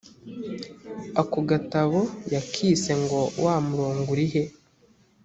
ako gatabo yakise ngo “wa murongo uri he?”